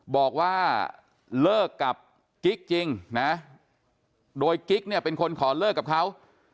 บอกว่าเลิกกับกิ๊กจริงนะโดยกิ๊กเนี่ยเป็นคนขอเลิกกับเขา